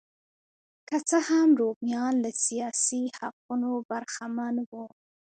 که څه هم رومیان له سیاسي حقونو برخمن وو